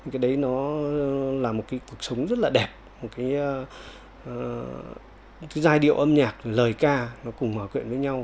cái đấy là một cuộc sống rất đẹp giai điệu âm nhạc lời ca cùng hòa quyện với nhau